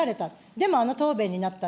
でもあの答弁になった。